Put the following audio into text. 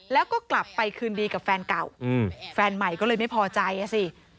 แล้วก็กลับไปคืนดีกับแฟนเก่าแฟนใหม่ก็เลยไม่พอใจอ่ะสิ